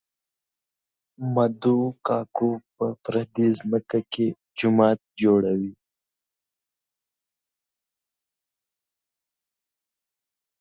مدو کاکو په پردۍ ځمکه کې جومات جوړوي